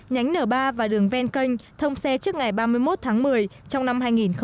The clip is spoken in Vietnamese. nhánh n ba và đường ven canh thông xe trước ngày ba mươi một tháng một mươi trong năm hai nghìn một mươi bảy